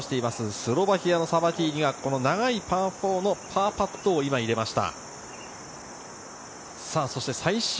スロバキアのサバティーニが、この長いパー４のパーパットを今、入れました。